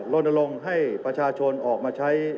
ลนลงให้ประชาชนออกมาใช้